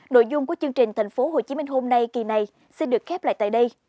nội dung của chương trình thành phố hồ chí minh hôm nay kỳ này xin được khép lại tại đây